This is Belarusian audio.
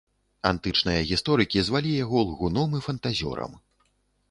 Антычныя гісторыкі звалі яго лгуном і фантазёрам.